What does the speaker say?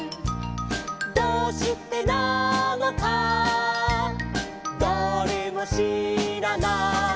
「どうしてなのかだれもしらない」